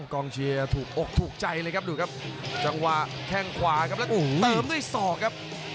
กองเชียร์ถูกอกถูกใจเลยครับดูครับจังหวะแข้งขวาครับแล้วเติมด้วยศอกครับ